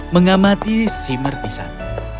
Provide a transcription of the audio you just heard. mengamati shimmer di sana